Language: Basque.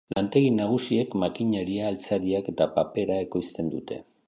Lantegi nagusiek makineria, altzariak eta papera ekoizten dute.